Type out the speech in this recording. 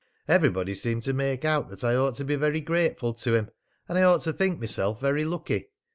Everybody seemed to make out that I ought to be very grateful to him, and I ought to think myself very lucky.